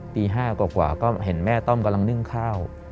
ตี๕กว่าก็เห็นแม่ต้อมกำลังนึ่งข้าว